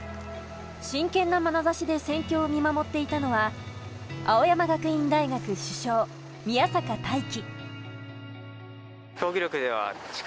真剣なまなざしで心境を見つめていたのは青山学院大学主将・宮坂大器。